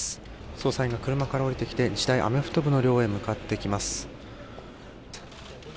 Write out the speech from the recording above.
捜査員が車から降りてきて日大アメフト部の寮へ向かっていきます。